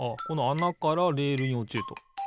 このあなからレールにおちると。